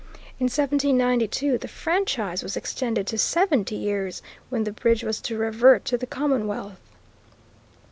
In 1792 the franchise was extended to seventy years, when the bridge was to revert to the Commonwealth.